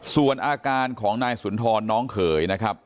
ส่วนอาการของนายสุนทรน้องเขยนะครับ